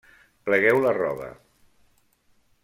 Plegueu la roba.